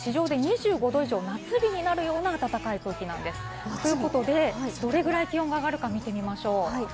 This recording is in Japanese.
これは地上で２５度以上、夏日になるような暖かい空気なんです。ということでどれくらい気温が上がるか見てみましょう。